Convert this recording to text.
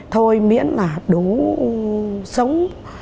thôi miễn là đủ sống